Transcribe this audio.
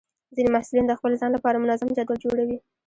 ځینې محصلین د خپل ځان لپاره منظم جدول جوړوي.